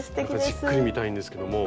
じっくり見たいんですけども。